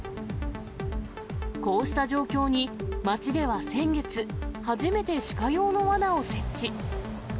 こうした状況に、町では先月、初めてシカ用のわなを設置。